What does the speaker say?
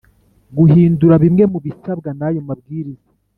guhindura bimwe mu bisabwa n ayo mabwiriza